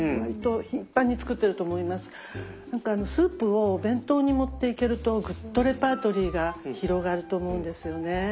なんかスープをお弁当に持っていけるとぐっとレパートリーが広がると思うんですよね。